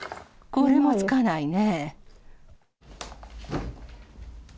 これもつかないね。